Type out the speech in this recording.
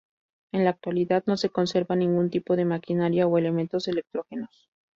En la actualidad, no se conserva ningún tipo de maquinaria o elementos electrógenos.